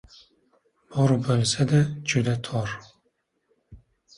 Bor bo‘lsa-da, juda tor.